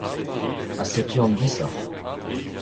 Ha setu an disoc'h.